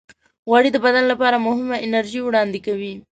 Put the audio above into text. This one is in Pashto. غوړې د بدن لپاره مهمه انرژي وړاندې کوي.